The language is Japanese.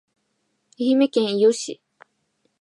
愛媛県伊予市